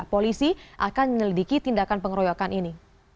polisi akan menyelidiki tindakan pengeroyokan ini